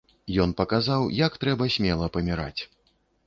Ён паказаў, як трэба смела паміраць.